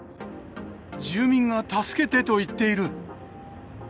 住民が助けてと言っている。